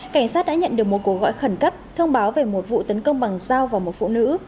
cảnh sát đã nhận được một cuộc gọi khẩn cấp thông báo về một vụ tấn công bằng dao vào một phụ nữ